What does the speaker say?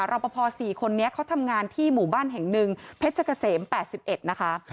รอปภ๔คนนี้เขาทำงานที่หมู่บ้านแห่งหนึ่งเพชรเกษม๘๑นะคะ